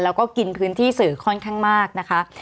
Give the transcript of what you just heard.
แล้วก็กินพื้นที่สื่อค่อนข้างมากนะคะ